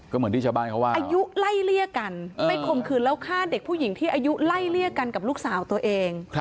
ก็เหมือนที่ชาวบ้านเขาว่าอายุไล่เลี่ยกันไปข่มขืนแล้วฆ่าเด็กผู้หญิงที่อายุไล่เลี่ยกันกับลูกสาวตัวเอง